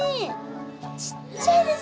ちっちゃいですね。